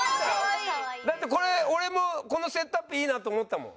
だってこれ俺もこのセットアップいいなと思ったもん。